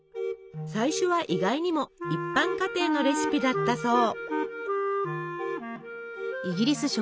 最初は意外にも一般家庭のレシピだったそう。